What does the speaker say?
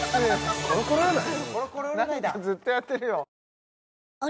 コロコロ占い